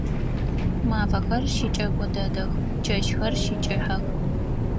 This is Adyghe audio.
Мафэхэр щыкӏэко дэдэх, чэщхэр щыкӏыхьэх.